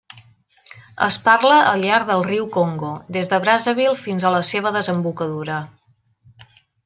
Es parla al llarg del riu Congo, des de Brazzaville fins a la seva desembocadura.